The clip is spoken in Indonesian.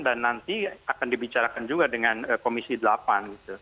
dan nanti akan dibicarakan juga dengan komisi delapan gitu